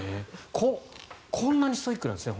こんなにストイックなんですね。